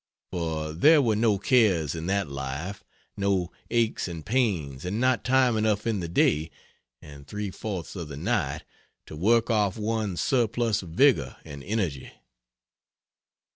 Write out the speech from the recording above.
For there were no cares in that life, no aches and pains, and not time enough in the day (and three fourths of the night) to work off one's surplus vigor and energy.